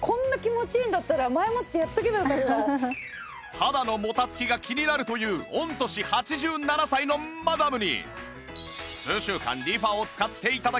肌のもたつきが気になるという御年８７歳のマダムに